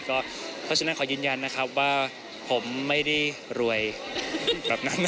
เพราะฉะนั้นขอยืนยันนะครับว่าผมไม่ได้รวยแบบนั้น